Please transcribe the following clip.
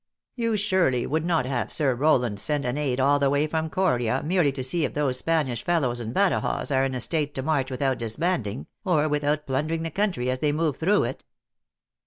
You surely would not have Sir Rowland send an aid all the way from Coria, merely to see if those Spanish fellows in Badajoz are in a state to march without dis banding, or without plundering the country as they move through it